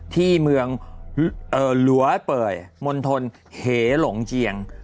ที่เมืองหลัวเป่ยมณฑลเหหลงเจียง